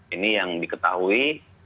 ini yang diketahui